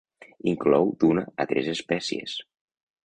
Inclou d'una a tres espècies.